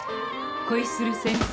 恋する先生。